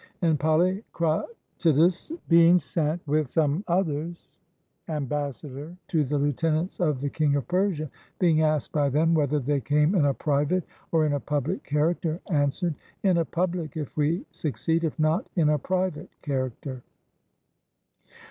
And Polycratidas, being sent with some others ambassador to the lieutenants of the king of Persia, being asked by them whether they came in a private or in a public character, answered, "In a public, if we succeed; if not, in a private character."